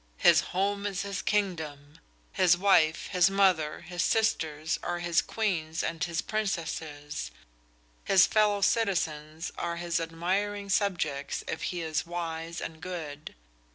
His home is his kingdom; his wife, his mother, his sisters are his queens and his princesses; his fellow citizens are his admiring subjects if he is wise and good.